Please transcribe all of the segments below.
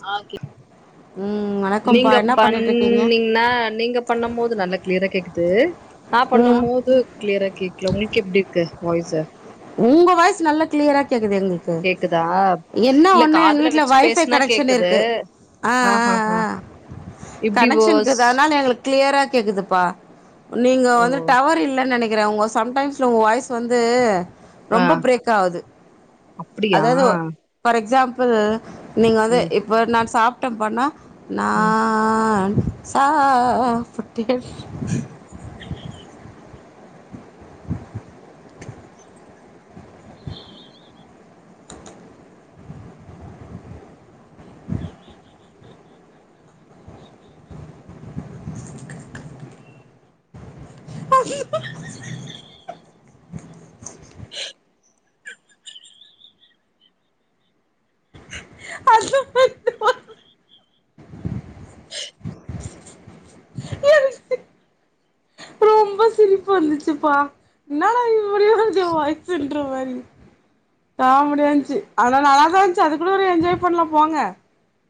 சாகித் ம் வணக்கம்ப்பா நீங்க என்ன பண்ணிட்டு இருக்கீங்க பண்ணீங்கனா நீங்க பண்ணும் போது நல்லா கிளியரா கேக்குது த்து ஆ பண்ணும் ம் போது கிளியரா கேக்குது உங்களுக்கு எப்டி இருக்கு வாய்ஸு உங்க வாய்ஸ் நல்லா கிளியரா கேக்குது எங்களுக்கு கேக்குதா என்னா இல்ல ஒன்னு எங்க காதுல வீட்ல வச்சு வைபை பேசுனா கனெக்க்ஷன் கேக்குது இருக்கு ஆ ஆஹா ஹா ஆ இப்டி வாஸ் கனெக்ஷனக்குதானா இல்ல எங்களுக்கு கிளியரா கேக்குதுப்பா நீங்க ஓ வந்து டவர் இல்லனு நெனக் கிறே உங்க சம்டைம்ஸ்ல உங்க வாய்ஸ் வந்து ஆ ரொம்ப பிரேக் ஆகுது அப்டியா அதாவது பார் எக்ஸாம்பிள் ப்பு நீங்க வந்து ம் இப்ப நான் சாப்ப ட்டம் பண்ணா ம் நான் சா டிகல்ஸ் [inaudible] [unintelligible] [inaudible] [unintelligible] எனக்கு ரொம்ப சிரிப்பு வந்துச்சுப்பா என்னாடா இப்படி வருது வாய்ஸ்ன்று மாரி காமெடியா இருந்துச்சு அதனா நல்லாதா இருந்துச்சு அது கூட ஒரு என்ஜாய் பண்லா போங்க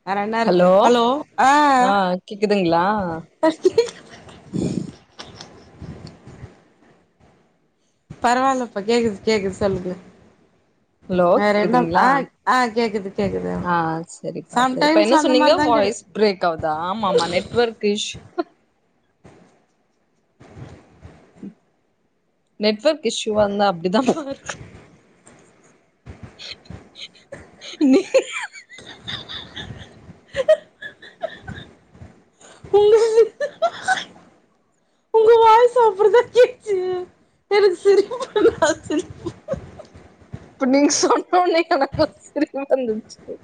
வேற என்ன இருக்கு ஹலோ ஆ [inaudible] பரவாயில்லப்பா கேக்குது கேக்குது சொல்லுங்க ஹலோ வேற என்ன கேக்குதுங்ளா ஆ ஆ கேக்குது கேக்குது ஆ சரிப்பா சரிப்பா சம்டைம்ஸ்ல என்ன அந்த சொன்னீங்க மாரிதா கெடை வாய்ஸ் பிரேக் ஆகுதா ஆமா ஆமா நெட்வொர்க் இஸ்யு நெட்வொர்க் இஸ்யூவா இருந்தா அப்டிதா வரு நீ [unintelligible] ஒங்க ஒங்க வாய்ஸ்ஸு அப்டி தா கேட்டுச்சு எனக்கு சிரிப்பு இப்ப நீங்க சொ ஓ நேத்து எனக்கு சிரிப்புவந்துச்சு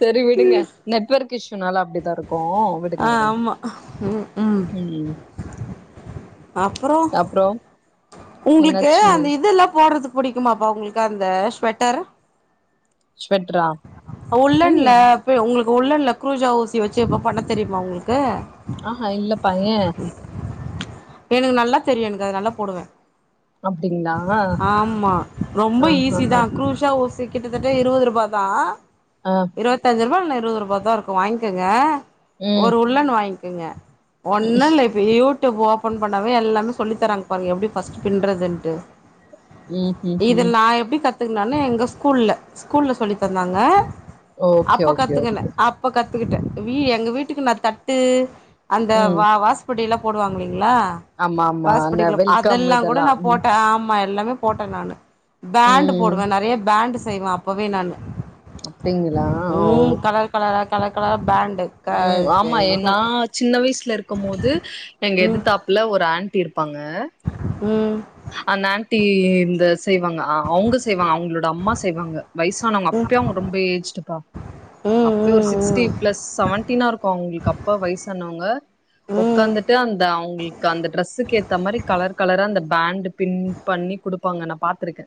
சரி விடுங்க நெட்வொர்க் இஷ்யூனால அப்டிதா இருக்கு விடுங்க ஆ விடுங்க ஆமா ம் ம் அப்புறோ அப்றோ உங்களுக்கு என்னாச்சுங்க அந்த இதல்லா போடுறதுக்கு புடிக்குமாப்பா உங்களுக்கு அந்த ஸ்வெட்டர் ஸ்வெட் உள்ளன்னுலப் உங்களுக்கு கோல்ன்டன்ல்ல குரூஜா வுஸி வச்சு பண்ண தெரியுமா உங்களுக்கு ஆஹா இல்லப்பா ஏ எனக்கு நல்லா தெரியு எனக்கு அது நல்லா போடுவே அப்டிங்களா ஆமா ரொம்ப ஈஸி ஆஹஹா தா க்ரூஷா ஊஸி கிட்டத்தட்ட இருபது ரூபா தா ஆ இருபத்தஞ்சு ரூபா நெ இருபது ரூபாதா இருக்கு வாங்கிக்கங்க ம் ஒரு உள்ளன்னு வாங் இருங்க ஒண்ணல்லே இப்ப யூ ஓபன் பண்ணாமே எல்லாமே சொல்லி தராங்க பாருங்க எப்படி ஃபஸ்ட் பின்னுறதுன்ட்டு ம் ம் ம் இதெல்லா எப்டி கத் காரத்துக்குனானனு எங்க ஸ்கூல்ல ஸ்கூல்ல சொல்லி தந்தாங்க ஓகே அப்ப ஓகே கத்துக்கனே ஓகே அப்ப கத்துக்கிட்டேன வீ எங்க வீட்டுக்கு நா தட் டு அந்த ம் வா வாஸ்படில போடுவாங்களே ளா ஆமா ஆமா க்ளாஸ் அந்த படிக்கலா வெல்கம் அதெல்லா கூட இதெல்லா நா போட் ஆமா எல்லாமே போட்டே நானு பேண்ட் ம் போடுவே நிறைய பேண்ட்ஸ் செய்வே அப்பவே நானு அப்டிங்களா ஓ ம் கலர் கலரா கலக்கலரா பேண்ட் ம் ஆமா எ நா சின்ன வயசுல வீட்ல இருக்கு போது எங்க ம் எதிர் தாப்புல ஒரு தான் தீ்ர் ப்பாங்க உம் ந்த செய்வாங்க அவுங்க செய்வாங்க அவங்களோட அம்மா செய்வாங்க வயசானவங்க அப்பவே அவுங்க ரொம்ப ஏஜ்டுக்கா ம் அப்பவே ஒரு ம் சிக்ஸ்டி ம் ப்ளஸ் செவன்டினா இருக்கு அவுங்களுக்கு அப்பா வயசானவங்க ம் ம் ம் ஒக்காந்துட்டு அந்த அவுங்களுக்கு அந்த டிரரெஸுக்கு ஏத்த மாதிரி கலர் கலரா அந்த பேண்டு் பின் பண்ணி குடுப்பாங்க நா பாத்துருக்கே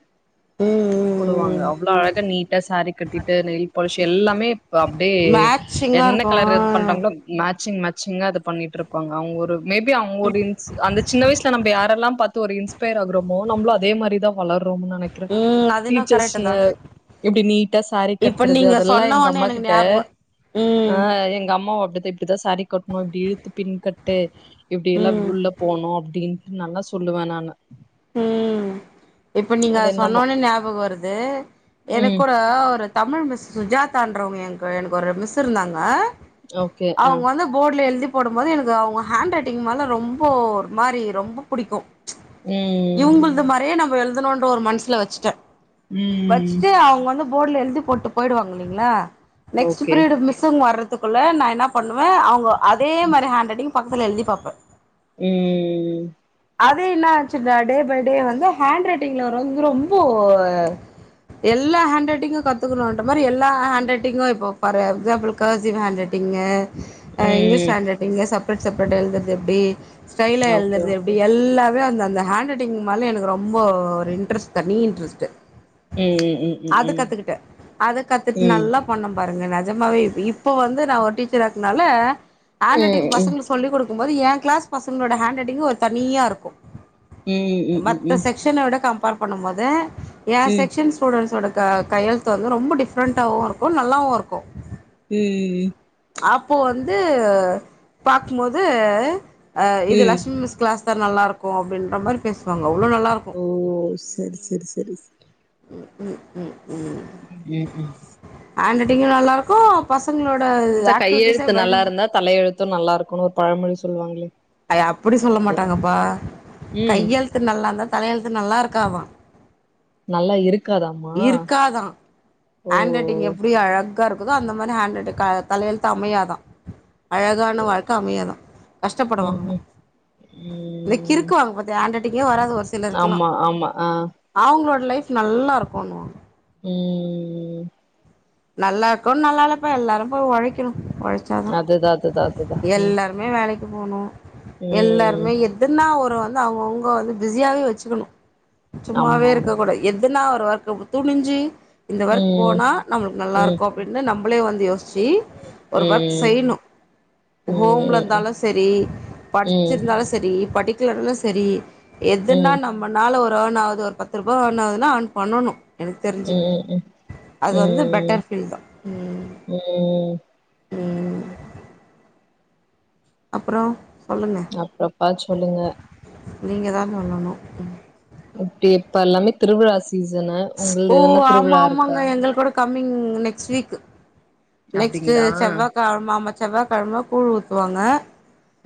உம் உம் போவாங்க அவ்ளோ அழக நீட்டா சாரீ கட்டிட்டு நெயில் பாலிஷ் எல்லாமே இப்ப அப்டி மேட்சிங்கா என்ன கலர் இது இருக்கு பண்றாங்களோ மேச்சிங் ச்சிங்க அது பண்ணிட்டு இருப்பாங்க அவுங்க ஒரு மேபி அவுங்க அந்த ஒரு அந்த சின்ன வயசுல நம்ம யாரெல்லா பாத்த ஒரு இன்ஸ்பயர் ஆகுறமோ நம்மளு அதே மாரி தா வளரு நெனக்குறோம்னு நெனக்குறே ம் அது என்னவோ கரெக்ட் தா டீச்சர்ஸ்ங்க எப்டி நீட்டா சாரி இப்ப கட்டுறது நீங்க அதெல்லா சொன்ன எங்க ஒன்னே அம்மா எனக்கு கிட்ட ஞாபகோ ஆ ம் எங்க அம்மா [unintelligible] இப்டிதா சாரீ கட்ணு இப்டி இழுத்து பின் கட்டு இப்டியெல்லா ம் உள்ள போனோ அப்டின்டு நல்ல சொல்லுவே நானு உம் இப்ப நீங்க அது என்னமோ சொன்னோனே ஞாபக வருது எனக் ம் ஒரு தமிழ் மிஸ் சுஜாத் தான்றவங்க என எனக்கு ஒரு மிஸ் இருந்தாங்க ஓகே ஆ அவுங்க வந்து போட்ல எழுதி போடும்போது எனக்கு அவுங்க ஹேண்ட்ரைட்டிங் மேலே ரொம்ப ஒரு மாரி ரொம்ப புடிக்கு ம் இவுங்கள்து மாரியே நம்ம ப்ப எழுதனூன்ற ஒரு மனசுல வச்சுட்டே ம் வச்சுட்டு அவுங்க வந்து போட்ல எழுதி போட்டு போயிடுவாங்க இல்லைங்ளா நெக்ஸ்ட்டு ஓகே பீரியட் மிஸ்ஸுங்க வர்றது த்துக்குள்ள நா என்னா பண்ணுவே அவுங்க அதே மாரி ஹாண்ட்ரைட்டிங் பக்கத்ல எழுதி பாப்பே உம் உம் அது என்னா ஆச் டே பை டே வந்து ஹேண்ட் ரைட்டிங்கில வந்து ரொம்ப எல்லா ஹேண்ட்ரைட்டிங்கு கத்துக்கனுன்ற மாரி எல்லா ஹேண்ட் ரைட்டிங்கு இப்போ பாரு எக்ஸாம்பிள் கர்சிவ் ஹேண்ட் ரைட்டிங்கு ஆ இங்லீஷ் ம் ஹாண்ரைடிங்கு ச செப்ரேட் செப்ரேட்டா எழுதருது எப்டி ஸ்டைல்ல ஓகே எழுதுறது ஓகே எப்டி எல்லாமே அந்த அந்த ஹேண்ட் ரைட்டிங் மேலே எனக்கு ரொம்ப ஒரு இன்ட்ரஸ்ட் தனி இன்ட்ரஸ்ட்டு ம் ம் ம் அது ம் கத்துக்கிட்டே அத கத்துட்டு ம் நல்லா பண்ண பாரு அங்க நெஜமாவே இப்போ வந்து நா ஒரு டீச்சரா நால ம் ஹாண்ரைட்டிங் ம் ம் பசங்களுக்கு சொல்லி குடுக்க இருக்கும்போது எ கிளாஸ் பசங்களோட ஹேண்ட்ரைட்டிங்கு ஒரு தனியாக இருக்கு ம் ம் மத்த ம் செக்க்ஷன விட கம் கம்ப்பார் பண்ணும்போது ஏ ம் ம் ம் செக்ன் ஸ்டூடெட்ஸோட க கையெழுத்து வந்து ரொம்ப டிஃப்ரெண்ட்டாவு இருக்கு நல்லாவு இருக்கு உம் உம் உம் அப்போ வந்து பாக்கும்போது ஆ இது ம் லக்ஷ்மி மிஸ் கிளாஸ் நல்லா இருக்கு அப்டின்ற மாரி பேசுவாங்க அவ்ளோ நல்லாருக்கு ஓ சரி சரி சரி ம் ம் ம் உம் ம் ம் ஹாண்ரைட்டிங்கு நல்லா இருக்கு பஸ் இந்த கையெழுத்து நல்லா இருந்தா தலையெழுத்து து நல்லா இருக்குனு ஒரு பழமொழி சொல்லுவாங்களே அத அப்புடி சொல்ல அதுதா மாட்டாங்கப்பா ம் கையெழுத்து நல்லா இருந்தா தலையெழுத்து நல்லா இருக் க்காதா நல்லா இருக் இருக்காதா ஓ ஹண்ட் ரைட்டிங் எப்டி அழ க்கா இருக்குதோ அந்த மாரி ஹேண்ட் ரைட்டு தலையழுத்து அமையாதா அழகான வாழ்க்க அமயாதா ம் கஷ்டப்படுவாங்களா ம் இந்த ம் கிறுக்கு வாங்க பாத்தி ஹாண்ட்ரைட்டி ஒரு ஒரு சிலருக்லா ஆமா ஆமா ஆ அவுங்களோட லைஃப் நல்லா இருக்கு [unintelligible] உம் நல்லா இருக்கோ நல்லல்லப்பா எல்லாரு எல்லாரு போய் ஒழைக்கணு ஒழச்சாதா அதுதா அதுதா அதுதா உம் போனு எல்லாருமே எதுன்னா ஒரு இப்ப வந்து அவுங்கவுங்க வந்து பிஸியாவே வச்சுக்கனு ஆமா சும்மாவே ஆமா இருக்க கூடாது எதுனா ஒரு வொர்க்கு துணிஞ்சு இந்த ஒர்க் ம் போனா நம்மளுக்கு நல்லா ம் இருக்கு அப்டின்னு நம்ம நம்பளே வந்து யோசிச் சி ஒரு ஒர்க் ம் செய்யணு ம் ஹோம்ல ம் இருந்தாலு சரி ம் படிச்சிருந்தாலு சரி படிக்கலனாலு சரி எதுன்னா ம் நம்மனால ஒரு அப்றோ நா ஒரு பத்து ரூபா அன் ஆனதுனா அவனுக்கு பண்ணணு எனக்கு தெரிஞ்சு ம் அது வந்து ம் பெட்டர் ஃபீல் தா உம் ம் அப்றோ அப்றோப்பா சொல்லுங்க நீங்கதா சொல்லணு அப்டி இப்ப எல்லாமே திருவிழா ஸ் சீசனா ஒங்கள்து எதுனா திருவிழா இருக்கா கமிங் நெக்ஸ்ட்டு வீக் நெக்ஸ்ட்டு அப்டிங்களா செவ்வாக்கெழமா செவ்வாகெழம கூழ் ஊத்துவாங்க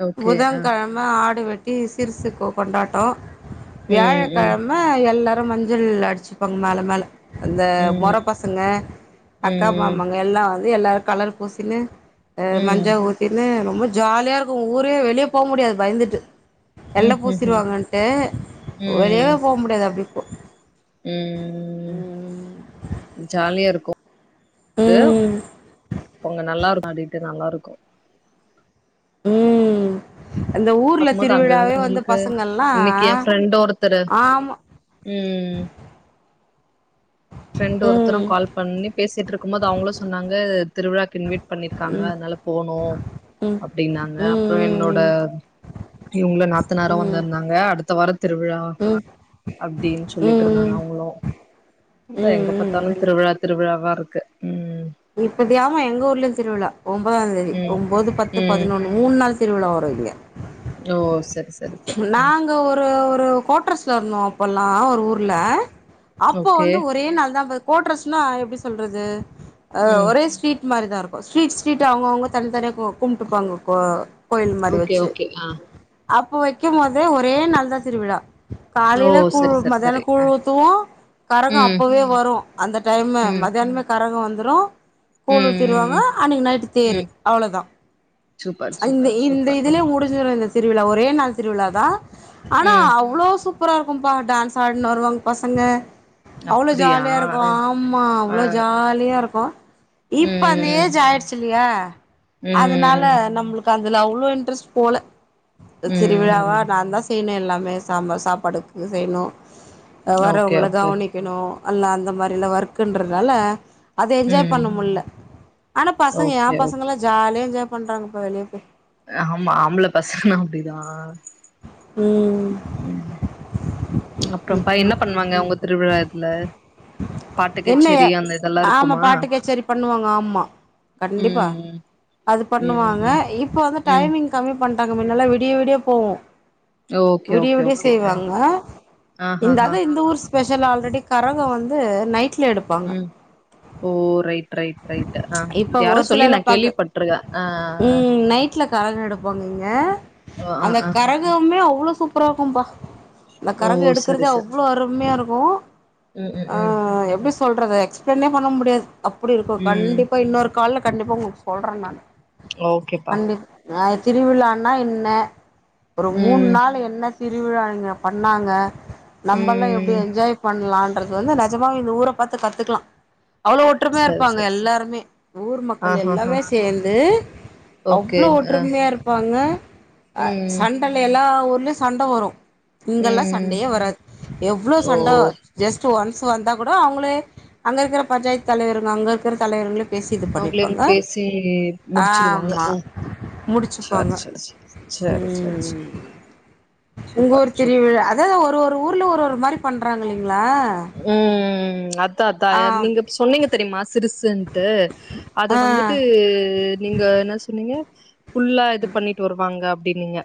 ஓகே ஆ புதன்கெழமை ஆடு வெட் கி சிறுசுக்கு கொண்டாட்டோ ம் ம் வியாழக்கிழம எல்லா அப்புற மஞ்சள் அடிச்சுப்பாங்க மேல மேல அந்த மொற ம் பசங்க அக்கா ம் மாமாங்க எல்லா வந் து எல்லார் கலர் பூசினு அ மஞ்சா ம் ஊத்தினு ரொம்ப ஜாலியாக் உ ஊரே வெளிய போ முடியாது பயந்துட்டு எல்லா ம் ம் பூசிருவாங்கட்டு வெளியேவே ம் போ முடியாது அப்டி ஒ ம் ம் ஜாலியா இருக்கு அ ம் உங்க நல்லா இருக் ஆடிட் நல்லா இருக்கு ம் அந்த ஊர்ல பாக்குபோது திருவிழாவே வந்து அங்கங்கங்களுக்கு பசங்கள்லா இன்னைக்கு எ ஃப்ரண்டு ஓரத்தரு ஆமா ம் ஃபிரெண்டு ஒருத்தரு ம் கால் பண்ணி பேசிட்டு இருக்க முது அவங்களு சொன்னாங்க திருவிழாக்கின்வேட் பண்ணிருக்காங்க அதனால போனு ம் அப்டின்னாங்க ம் அப்புறோ என்னோட ம் இவங்கள நாத்துநாரு ம் ம் வந்துருந்தாங்க அடுத்த வாரோ திருவிழா அப்படின்னு சொல்லிட்டு இருந்தாங்க ம் அவங்களு அதா எங்க பார்த்தாலு ம் திருவிழா திருவிழாவா இருக்கு ம் இப்படியா எங்க ஊர்லயு திருவிழா ஒன்பதா தேதி ம் ஒன்பது பத்து ம் பதினொன்னு மூணு நாள் திருவிழா வரு இங்க ஓ சரி சரி சரி ம் நாங்க ஒரு ஒரு கோட்ரஸ்ல இருந்தோ அப்பல்லா ஒரு ஊர்ல அப்போ ஓகே வந்து ஒரே நாள் தா கோட்ரெஸ்னா எப்டி சொல்றது அ ம் ஒரே ஸ்ட்ரீட் மாரி தா இருக்கு ஸ்ட்ரீட் ஸ்ட்ரீடு அவுங்கவுங்க தனித்தனியா கும்ட்டுப்பாங்க ப்ரோ கோயில் மாரி ஓகே வச்சு ஓகே ஆ அப் இப்ப வக்கும் போது ஒரே நாள் தா திருவிழா ஓ காலேல கூழ் சரி சரி மத்தியான சரி ஆ கூழ் ஊத்துவோ கரக ம் அப்பவே வரு அந்த டைமு ம் மத்தியானமே கரக வந்து அப்பறோ ம் கூழ் ஊத்திருவாங்க ம் அன்னைக்கு நைட்டு தேரு ம் அவ்வளோதா சூப்பர் சூப்பர் இந்த சூப்பர் இதுலயே ம் முடிஞ்சிரு இந்த திருவிழா ஒரே நாள் திருவிழாதா ஆனா ம் அவ்ளோ சு சூப்பரா இருக்கும்பா டான்ஸ் ஆடின்னு வருவாங்க பசங்க அவ்ளோ அப்டியா ஜாலியா இருக்கு ஆமா அவ்ளோ ஆ ஜாலியா இருக்கு இப்ப அந்த ம் ஏஜ் ஆய்டுச்ல ஃபிரியா அதனால ம் நம்மளுக்கு அதுல அவ்ளோ இன்ட்ரெஸ்ட் போல திருவிழாவா ம் நா தா செய்யனு எல்லாமே சாம்பார் சாப்பாடுக்கு செய்யனு ஓகே வரவங்கள ஓகே கவனிக்கணு அல்ல அந்த மாதிரிலா ஒர்க்கன்றதுனால அது என்ஜாய் ம் பண்ண முடில்ல ஆனா பசங்க எ ஓகே ஓகே பசங்கல்லா ஜாலியா என்ஜாய் பண்றங்கப்ப வெளியே போய் ஆமா ஆம்பள பசங்க அப்டிதா உ ம் அப்றம்ப்பா என்ன பண்ணுவாங்க உங்க திருவிழா இதுல பாட்டு என்ன கச்சேரி அந்த இதெல்லா ஆமா இருக்குமா பாட்டு கச்சேரி பண்ணுவாங்க ஆமா கண்டிப்பா ம் அது ம் பண்ணுவாங்க ம் இப்ப வந்து ம் டை்மிங் கம்மி பண்ண நாங்க மின்னல்லா விடிய விடியே போவோ ஓகே விடிய ஓகே விடிய ஓகே ஆ செய்வாங்க ஆ ஹ இந்த ஹ அதா இந்த ஊர் ஸ்பெஷலா ஆல்ரெடி கரக வந்து நைட் உம் ஓ ரைட் ரைட் ரைட் ஆ இப்ப யாரோ ஒரு சொல்லி நா சிலர்லா பக கேள்விப்பட்ருக்கே ஆ ஆ போனீங்க ஓ ஆ அந்த ஆ மே அவ்வளோ சூப்பரா இருக்கும்பா இந்த ஓ கரகோ சரி எடுக்குறதே சரி அவ்ளோ அருமையா இருக்கு போ ம் ம் ம் சொல்றத எக்ஸ்ப்ளைனே பண்ண முடியாது அப்டி இருக்கு ம் ம் கண்டிப்பா இன்னொரு கால்ல கண்டிப்பா உங்ளுக்கு சொல்றே நான் ஓகேப்பா ஆ திருவிழான்னா என்ன ஒரு மூண் ம் நாள் என்ன திருவிழா இங்க பண்ணாங்க நம்பல்லா எப்டி ம் என்ஜாய் பண்லா ங்கிறது வந்து நஜமாவ இந்த ஊர பார்த்து கத்துக்லா அவ்ளோ ஒற்றுமையா சரி இருப்பாங்க சரி ச எல்லாருமே ஊர் ஆ மக்கள் ஹ ஹ எல்லாமே சேந்து அவ்ளோ ஒற்றுமையா இருப்பாங்க ம் ம் ல எல்லா ஊர்லயு சண்ட வரு இங்கெல்லா ம் சண்டயே வராது எவ்ளோ ஓ சண்ட ஜஸ்ட்டு ஒன் ஸ் வந்தா கூட அவுங்களே அங்க இருக்குற பஞ்சாயத்து தலைவருங்க அங்க இருக்குற தலைவருங்களே பேசி இது அவுங்ளேம் பண்ணிப்பாங்க பேசி முடிச்சிருவாங்க ஆமா ம் முடிச்சுப்பாங்க சேர் சேர் சே சேரி சேரி ம் சேரி சூப்ப சூப்ப ரு ஊர்ல ஒரு ஒரு மாரி பண்றாங்கலிங் ளா தாத்தா யர் நீங்கப் சொன்னீங்க தெரிமா சிறு சுன்ட்டு அத ஆ வந்துட்டு நீங்க என்ன சொன்னீங்க ஃபுல்லா இது பண்ணிட்டு வருவாங்க அப் டின்னிங்க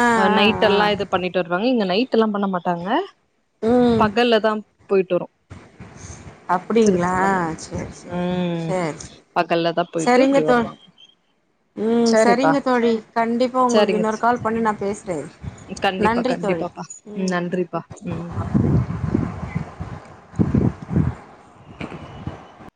ஆ அ ஆ ஆ நைட்டெல்லா இது பண்ணிட்டு வருவாங்க இங்க நைட்டுல்லா பண்ண மாட்டாங்க ம் பகல்ல தா போயிட் வரு அப்புடிங்ளா சேர் சேரி ம் சேர் சே பகல்ல தா போயிட்டு செரிங்க இப்டி தோ வருவாங்க ம் சேரிப்பா சரிங்க தோழி கண்டிப்பா உங்ளுக்கு சேரிங்க இன்னொரு கால் பண்ணி நா பேசுறே சிஸ் கண்டிப்பா நன்றி தோழி கண்டிப்பாப்பா ம் நன்றிப்பா ம் [inaudible]